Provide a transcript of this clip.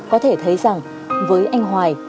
có thể thấy rằng với anh hoài